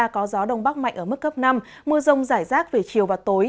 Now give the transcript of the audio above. có gió đông bắc mạnh ở mức cấp năm mưa rông rải rác về chiều và tối